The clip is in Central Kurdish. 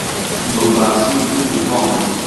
بڵباسی و توند و تۆڵن